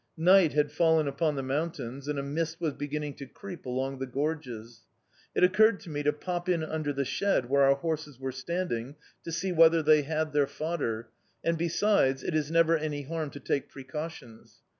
Night had fallen upon the mountains, and a mist was beginning to creep along the gorges. "It occurred to me to pop in under the shed where our horses were standing, to see whether they had their fodder; and, besides, it is never any harm to take precautions.